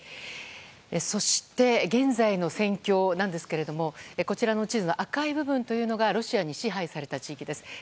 そして現在の戦況なんですけどもこちらの地図の赤い部分がロシアに支配された地域です。